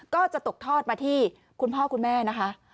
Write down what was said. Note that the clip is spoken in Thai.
ก็จะตกทอดมาที่คุณพ่อคุณแม่นะคะ